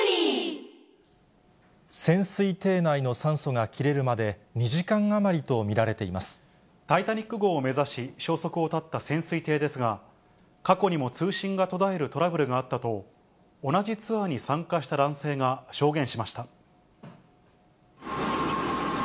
潜水艇内の酸素が切れるまでタイタニック号を目指し、消息を絶った潜水艇ですが、過去にも通信が途絶えるトラブルがあったと、同じツアーに参加した男性が証言しました。